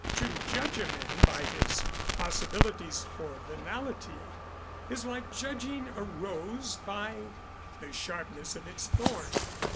To judge a man by his possibilities for venality is like judging a rose by the sharpness of its thorn.